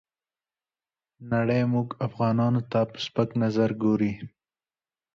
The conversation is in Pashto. نړۍ موږ افغانانو ته په سپک نظر ګوري.